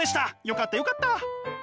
よかったよかった！